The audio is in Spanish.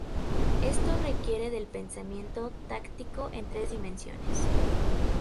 Esto requiere del pensamiento táctico en tres dimensiones.